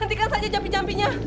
hentikan saja capek capeknya